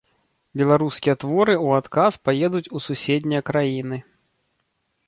Беларускія творы у адказ паедуць у суседнія краіны.